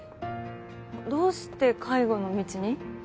どうして介護の道に？